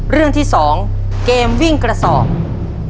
เรื่องที่๒เกมวิ่งกระสอบ